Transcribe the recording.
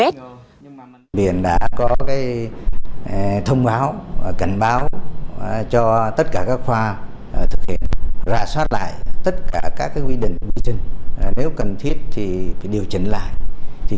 bệnh viện đã có thông báo cảnh báo cho tất cả các khoa thực hiện ra soát lại tất cả các quy định nếu cần thiết thì điều chỉnh lại